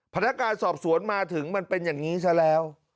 พนักงานสอบสวนมาถึงมันเป็นอย่างนี้ซะแล้ว